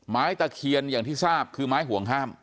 ตะเคียนอย่างที่ทราบคือไม้ห่วงห้าม